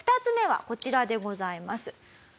２つ目はこちらでございます。